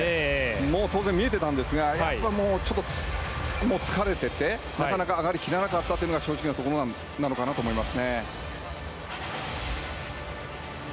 もう当然、見えていたんですが疲れていて、なかなか上がりきらなかったというのが正直なところなのかなと思います。